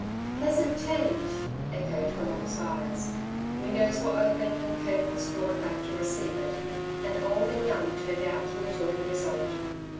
" Pleasant change,'^ echoed from all sides. Windows were opened and curtains drawn back to receive it, and old and young turned out to enjoy the result.